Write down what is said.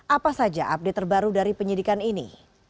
apa saja update terbaru dari penyidikan ini